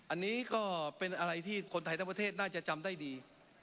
อันนี้ก็เป็นอะไรที่คนไทยทั้งประเทศน่าจะจำได้ดี